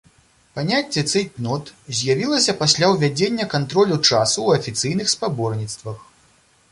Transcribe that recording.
Паняцце цэйтнот з'явілася пасля ўвядзення кантролю часу ў афіцыйных спаборніцтвах.